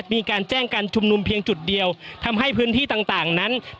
มีการแจ้งการชุมนุมเพียงจุดเดียวทำให้พื้นที่ต่างนั้นผิดกฎหมายทั้งหมด